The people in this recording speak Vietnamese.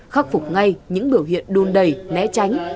khắc phục ngay những biểu hiện đùn đẩy né tránh